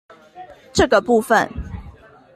這個部分